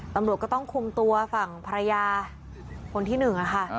ตำรวจก็ต้องคุมตัวฝั่งภรรยาคนที่๑ค่ะ